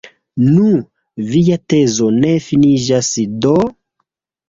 Nu, via tezo ne finiĝas do?